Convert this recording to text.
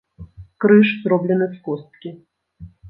Крыж зроблены з косткі.